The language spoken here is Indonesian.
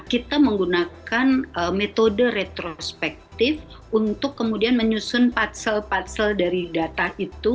kita menggunakan metode retrospective untuk kemudian menyusun pasal pasal dari data itu